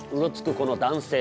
この男性。